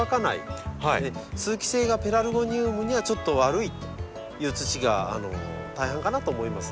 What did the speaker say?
通気性がペラルゴニウムにはちょっと悪いという土が大半かなと思います。